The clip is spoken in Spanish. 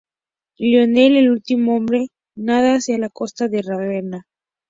Lionel, el último hombre, nada hacia la costa de Ravenna.